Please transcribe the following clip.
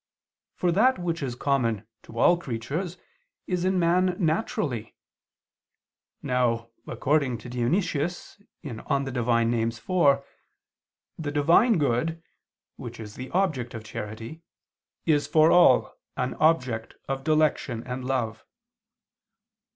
For that which is common to all creatures, is in man naturally. Now, according to Dionysius (Div. Nom. iv), the "Divine good," which is the object of charity, "is for all an object of dilection and love."